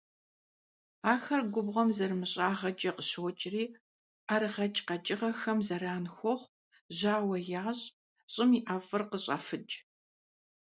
Ахэр губгъуэм зэрымыщӀагъэкӀэ къыщокӀри ӀэрыгъэкӀ къэкӀыгъэхэм зэран хуохъу, жьауэ ящӀ, щӀым и ӀэфӀыр къыщӀафыкӀ.